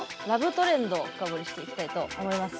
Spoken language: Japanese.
トレンドを深掘りしていきたいと思います。